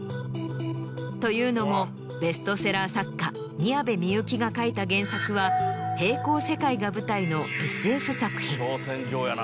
というのもベストセラー作家宮部みゆきが書いた原作は並行世界が舞台のＳＦ作品。